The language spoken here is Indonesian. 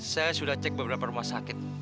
saya sudah cek beberapa rumah sakit